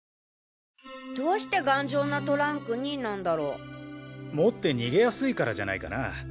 どうして「頑丈なトランクに」なんだろ。持って逃げやすいからじゃないかな？